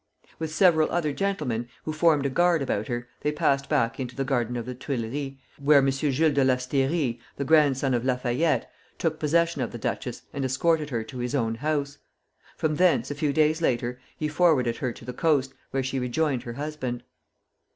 With several other gentlemen, who formed a guard about her, they passed back into the garden of the Tuileries, where M. Jules de Lasteyrie, the grandson of Lafayette, took possession of the duchess and escorted her to his own house. From thence, a few days later, he forwarded her to the coast, where she rejoined her husband.